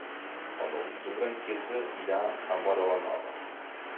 El nou d'octubre en Quirze irà a Móra la Nova.